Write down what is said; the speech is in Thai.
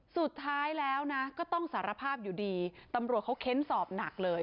สุดท้ายแล้วนะก็ต้องสารภาพอยู่ดีตำรวจเขาเค้นสอบหนักเลย